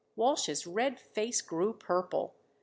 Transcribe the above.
Walsh's red face grew purple.